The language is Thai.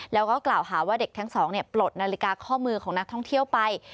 แล้วก็กล่าวหาว่าเด็กทั้งสองปลดนาฬิกาข้อมือของนักท่องเที่ยวไป